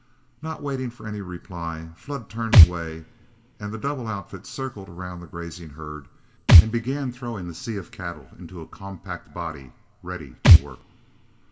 Not waiting for any reply, Flood turned away, and the double outfit circled around the grazing herd and began throwing the sea of cattle into a compact body ready to work.